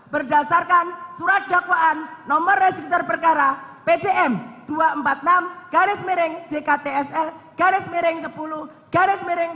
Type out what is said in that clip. berdasarkan surat dakwaan nomor register perkara pdn dua ratus empat puluh enam jktsl sepuluh jktsl